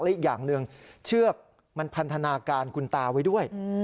อีกอย่างหนึ่งเชือกมันพันธนาการคุณตาไว้ด้วย